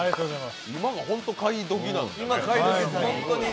今が本当に買い時なんですね。